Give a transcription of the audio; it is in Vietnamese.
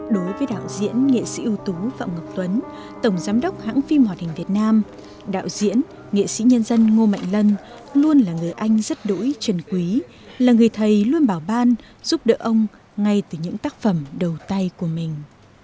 đối với đạo diễn nghệ sĩ ưu tú phạm ngọc tuấn tổng giám đốc hãng phim hoạt hình việt nam đạo diễn nghệ sĩ nhân dân ngô mạnh lân luôn là người anh rất đỗi trần quý là người thầy luôn bảo ban giúp đỡ ông ngay từ những tác phẩm đầu tay của mình